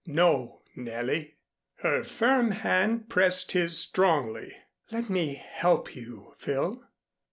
"No, Nellie." Her firm hand pressed his strongly. "Let me help you, Phil.